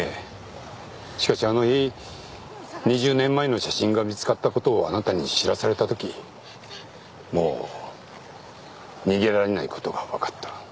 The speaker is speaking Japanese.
しかしあの日２０年前の写真が見つかったことをあなたに知らされた時もう逃げられないことが分かった